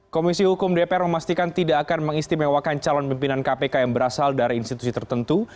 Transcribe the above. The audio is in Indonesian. komisi hukum dpr memastikan tidak akan mengistimewakan calon pimpinan kpk yang berasal dari institusi tertentu